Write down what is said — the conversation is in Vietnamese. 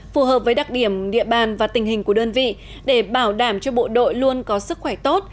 phù hợp với đặc điểm địa bàn và tình hình của đơn vị để bảo đảm cho bộ đội luôn có sức khỏe tốt